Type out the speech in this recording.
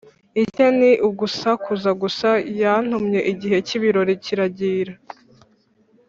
icye ni ugusakuza gusa Yatumye igihe cy ibirori kirangira